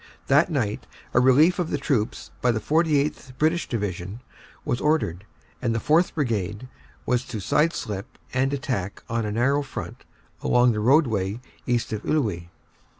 That night a relief of the troops by the 49th. British Division was ordered, and the 4th. Brigade was to side slip and attack on a narrow front along the roadway east of Iwuy.